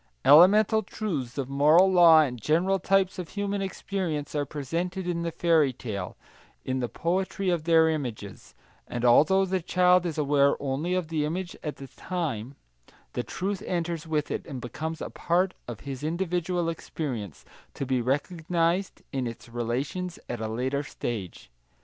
Elemental truths of moral law and general types of human experience are presented in the fairy tale, in the poetry of their images, and although the child is aware only of the image at the time, the truth enters with it and becomes a part of his individual experience, to be recognised in its relations at a later stage.